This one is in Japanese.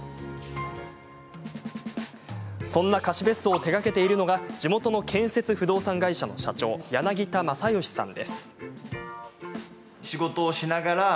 そんな貸し別荘を手がけているのが地元の建設不動産会社の社長柳田将禎さん。